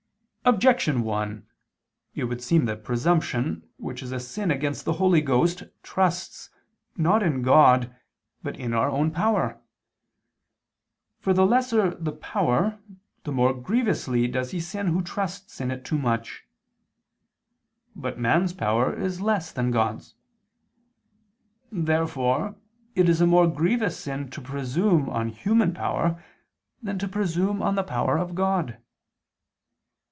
Objection 1: It would seem that presumption, which is a sin against the Holy Ghost, trusts, not in God, but in our own power. For the lesser the power, the more grievously does he sin who trusts in it too much. But man's power is less than God's. Therefore it is a more grievous sin to presume on human power than to presume on the power of God.